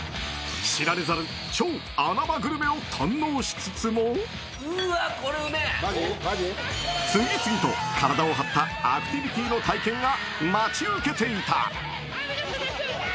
知られざる超穴場グルメを堪能しつつも次々と体を張ったアクティビティーの体験が待ち受けていた。